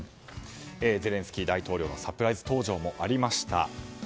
ゼレンスキー大統領のサプライズ登場もありました。